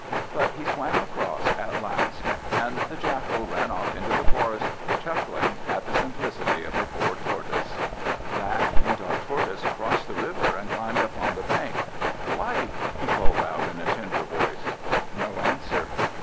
But he swam across at last; and the Jackal ran off into the forest, chuckling at the simplicity of the poor Tortoise. Back went our Tortoise across the river, and climbed up on the bank. "Wife!" he called out, in a tender voice. No answer.